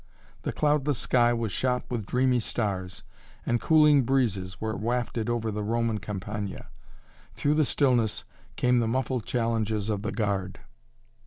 The cloudless sky was shot with dreamy stars, and cooling breezes were wafted over the Roman Campagna. Through the stillness came the muffled challenges of the guard.